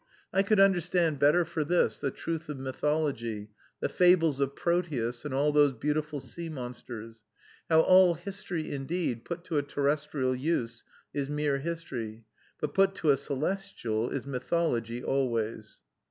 I could understand better for this, the truth of mythology, the fables of Proteus, and all those beautiful sea monsters, how all history, indeed, put to a terrestrial use, is mere history; but put to a celestial, is mythology always.